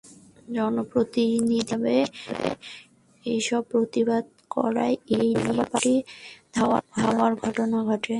জনপ্রতিনিধি হিসেবে এসবের প্রতিবাদ করায় এ নিয়ে পাল্টাপাল্টি ধাওয়ার ঘটনা ঘটে।